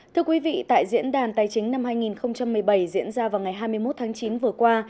thưa quý vị tại diễn đàn tài chính năm hai nghìn một mươi bảy diễn ra vào ngày hai mươi một tháng chín vừa qua